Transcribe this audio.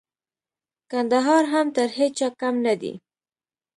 کندهار هم تر هيچا کم نه دئ.